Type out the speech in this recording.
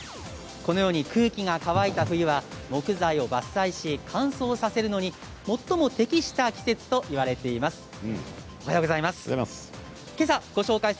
このように空気が乾いた冬は木材の伐採し乾燥させるのに最も適した季節といわれています。